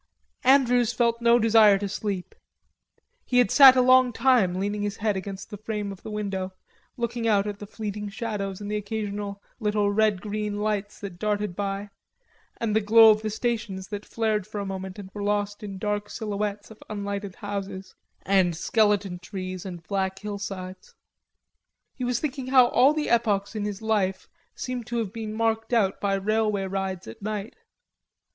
Andrews felt no desire to sleep; he had sat a long time leaning his head against the frame of the window, looking out at the fleeing shadows and the occasional little red green lights that darted by and the glow of the stations that flared for a moment and were lost in dark silhouettes of unlighted houses and skeleton trees and black hillsides. He was thinking how all the epochs in his life seemed to have been marked out by railway rides at night.